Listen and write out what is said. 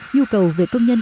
nhu cầu về công nhân